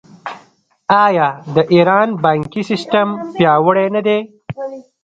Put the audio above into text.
آیا د ایران بانکي سیستم پیاوړی نه دی؟